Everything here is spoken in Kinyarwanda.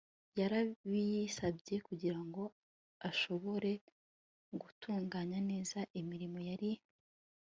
yarabiyisabye kugira ngo ashobore gutunganya neza imirimo yari